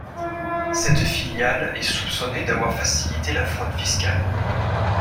Cette filiale est soupçonnée d'avoir facilité la fraude fiscale.